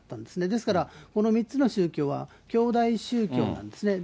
ですから、この３つの宗教は兄弟宗教なんですね。